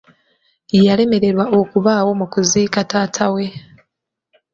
Yalemererwa okubaawo mu kuziika taata we.